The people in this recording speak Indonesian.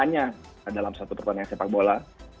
hanya dalam satu pertandingan sepak bola